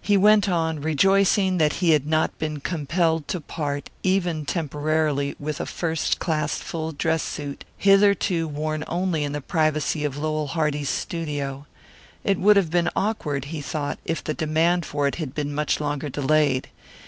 He went on, rejoicing that he had not been compelled to part, even temporarily, with a first class full dress suit, hitherto worn only in the privacy of Lowell Hardy's studio. It would have been awkward, he thought, if the demand for it had been much longer delayed.